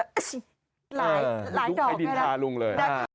หลายเกาะก็ได้ครับแบบดุ๊กไข่ดินทาลุงเลยแบบ